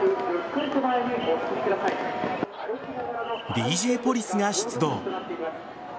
ＤＪポリスが出動。